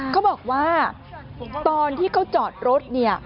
เขาบอกว่าตอนที่เขาจอดรถ